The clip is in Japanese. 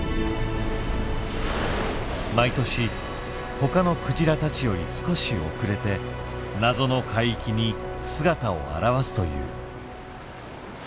毎年ほかのクジラたちより少し遅れて謎の海域に姿を現すという。